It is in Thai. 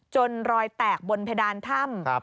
รอยแตกบนเพดานถ้ำ